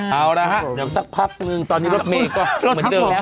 เอาละฮะเดี๋ยวสักพักนึงตอนนี้รถเมย์ก็เหมือนเดิมแล้ว